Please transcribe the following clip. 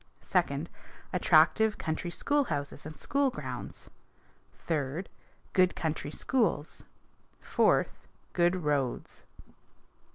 Second, attractive country schoolhouses and school grounds. Third, good country schools. Fourth, good roads.